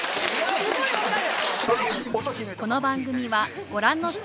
すごい分かる！